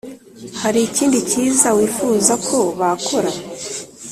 hari ikindi cyiza wifuza ko bakora.